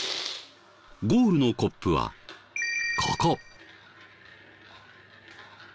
ゴールのコップはここ。